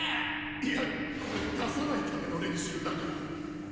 いやこれ出さない為の練習だから。